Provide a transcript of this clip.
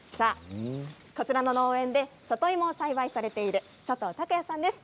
こちらの農園で里芋を栽培されている佐藤卓弥さんです。